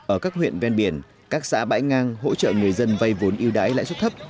ở các huyện ven biển các xã bãi ngang hỗ trợ người dân vay vốn yêu đái lãi suất thấp